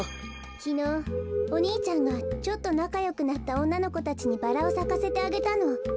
きのうお兄ちゃんがちょっとなかよくなったおんなのこたちにバラをさかせてあげたの。